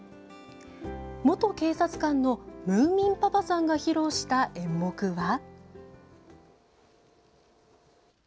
元警察官のムーミンパパさんが披露した演目は。